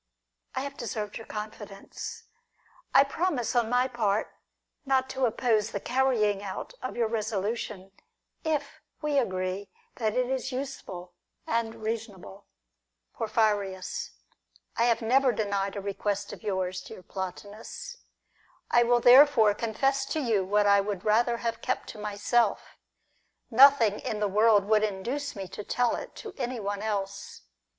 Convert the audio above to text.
I have deserved your confidence. I promise, on my part, not to oppose the carrying out of your resolution, if we agree that it is useful and reasonable. Porphyrius. I have never denied a request of yours, dear Plotinus. I will therefore confess to you what I would rather have kept to myself; nothing in the world would induce me to tell it to anyone else.